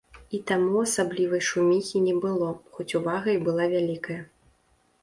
І таму асаблівай шуміхі не было, хоць увага і была вялікая.